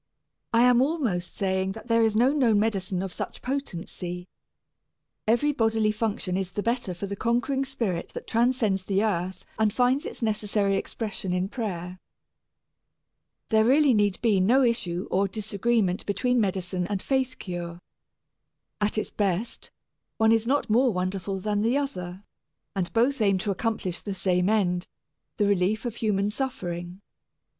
I am almost saying that there is no known medicine of such potency. Every bodily function is the better for the conquering spirit that transcends the earth and finds its necessary expression in prayer. There really need be no issue or disagreement between medicine and faith cure. At its best, one is not more wonderful than the other, and both aim to accomplish the same end the relief of human suffering.